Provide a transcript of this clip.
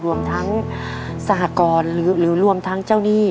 รวมทั้งสหกรณ์หรือรวมทั้งเจ้าหนี้